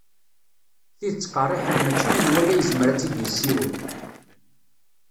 Tidet qerriḥen mačči menwala yezmer a tt-id-yessiwel.